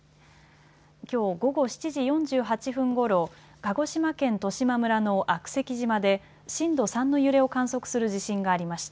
きょう午後７時４８分ごろ、鹿児島県十島村の悪石島で震度３の揺れを観測する地震がありました。